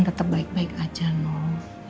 tetap baik baik aja nol